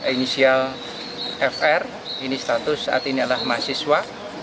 inisial fr ini status saat ini adalah mahasiswa